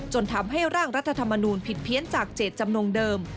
จนทำให้ร่างรัฐธรรมนูลผิดเพี้ยนจากเจตจำนงเดิม